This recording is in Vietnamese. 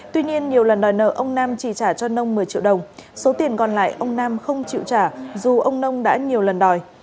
tuy nhiên nhiều lần đòi nợ ông nam chỉ trả cho nông một mươi triệu đồng số tiền còn lại ông nam không chịu trả dù ông nông đã nhiều lần đòi